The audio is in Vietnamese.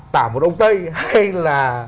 tả một ông tây hay là